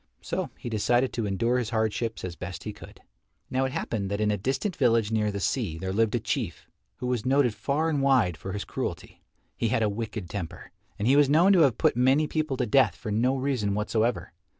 So he decided to endure his hardships as best he could. Now it happened that in a distant village near the sea there lived a Chief who was noted far and wide for his cruelty. He had a wicked temper, and he was known to have put many people to death for no reason whatsoever.